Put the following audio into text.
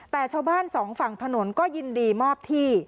แต่ชาวบ้านสองฝั่งถนนก็ยินดีมอบที่